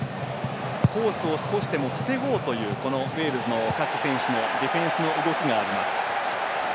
コースを少しでも防ごうというウェールズの各選手の動きがあります。